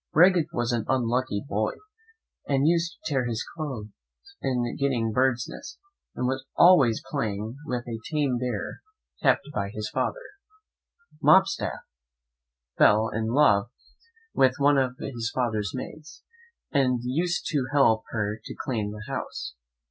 Raggedstaff was an unlucky boy, and used to tear his clothes in getting birds' nests, and was always playing with a tame bear his father kept. Mopstaff fell in love with one of his father's maids, and used to help her to clean the house.